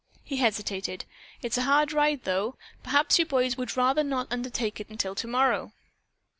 He hesitated. "It's a hard ride, though. Perhaps you boys would rather not undertake it until tomorrow."